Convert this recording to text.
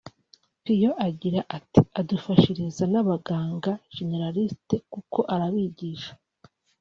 Pio agira ati “…adufashiriza n’abaganga (généralistes) kuko arabigisha